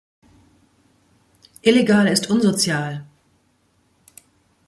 Illegal ist unsozial!